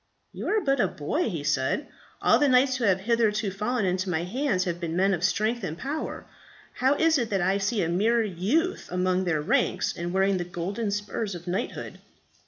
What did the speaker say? "You are but a boy," he said. "All the knights who have hitherto fallen into my hands have been men of strength and power; how is it that I see a mere youth among their ranks, and wearing the golden spurs of knighthood?"